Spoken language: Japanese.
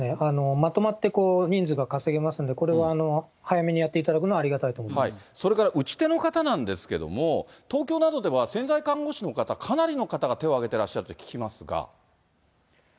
まとまって人数が稼げますんで、これは早めにやっていただくのは、それから打ち手の方なんですけれども、東京などでは潜在看護師の方、かなりの方が手を挙げてらっしゃると聞きますが。